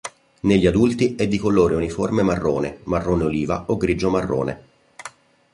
Negli adulti è di colore uniforme marrone, marrone oliva o grigio marrone.